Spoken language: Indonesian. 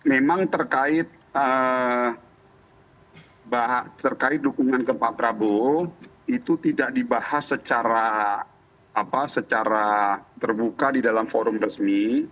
memang terkait dukungan ke pak prabowo itu tidak dibahas secara terbuka di dalam forum resmi